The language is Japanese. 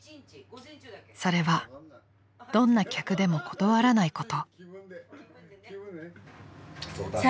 ［それはどんな客でも断らないこと］